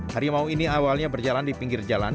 harimau ini awalnya berjalan di pinggir jalan